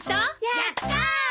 やった！